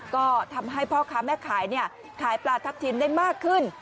ก็ทำให้พ่อค้าแม่ขายขายปลาทับทิมได้มากขึ้น